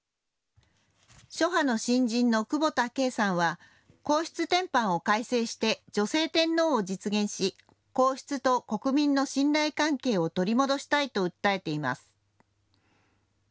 諸派の新人の久保田京さんは皇室典範を改正して女性天皇を実現し、皇室と国民の信頼関係を取り戻したいと訴えています。